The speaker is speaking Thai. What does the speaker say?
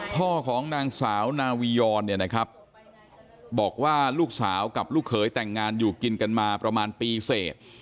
พ่อของนางสาวนาวียอนเนี่ยนะครับบอกว่าลูกสาวกับลูกเขยแต่งงานอยู่กินกันมาประมาณปีเสร็จ